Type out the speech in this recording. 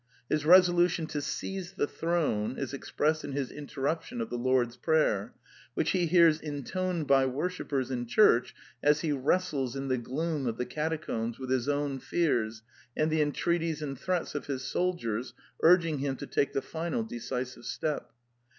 His resolution to seize the throne is expressed in his interruption of the Lord's prayer, which he hears intoned by wor shippers in church as he wrestles in the gloom of the catacombs with his own fears and the en treaties and threats of his soldiers urging him to take the final decisive step.